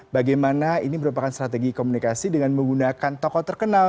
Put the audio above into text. bagaimana ini merupakan strategi komunikasi dengan menggunakan tokoh terkenal